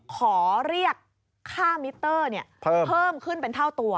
ขอเรียกค่ามิเตอร์เพิ่มขึ้นเป็นเท่าตัว